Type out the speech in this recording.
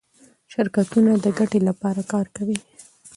شرکتونه د ګټې لپاره کار کوي.